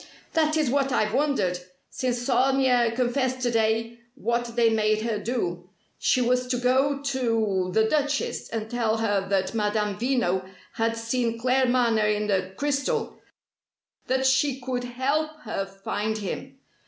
"That is what I've wondered since Sonia confessed to day what they made her do. She was to go to the Duchess, and tell her that Madame Veno had seen Claremanagh in the crystal that she could help her find him.